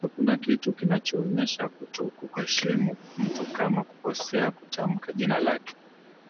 hakuna kitu kinachoonyesha kutokuheshimu mtu kama kukosea kutamka jina lake